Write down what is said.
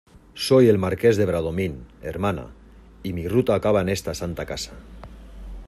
soy el Marqués de Bradomín, hermana , y mi ruta acaba en esta santa casa.